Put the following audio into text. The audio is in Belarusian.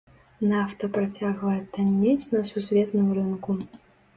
Нафта працягвае таннець на сусветным рынку.